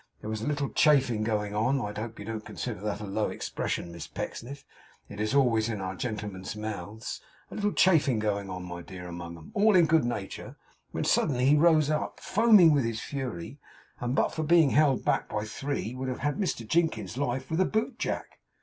There was a little chaffing going on I hope you don't consider that a low expression, Miss Pecksniff; it is always in our gentlemen's mouths a little chaffing going on, my dear, among 'em, all in good nature, when suddenly he rose up, foaming with his fury, and but for being held by three would have had Mr Jinkins's life with a bootjack.